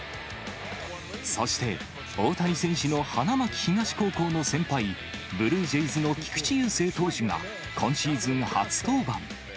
そして、大谷選手の花巻東高校の先輩、ブルージェイズの菊池雄星投手が、今シーズン初登板。